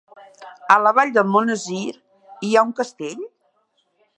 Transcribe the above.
A la Vall d'Almonesir hi ha un castell?